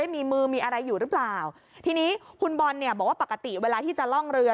มีมือมีอะไรอยู่หรือเปล่าทีนี้คุณบอลเนี่ยบอกว่าปกติเวลาที่จะล่องเรือ